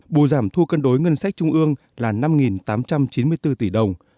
bù giảm thu cân đối ngân sách trung ương là năm tám trăm chín mươi bốn tỷ đồng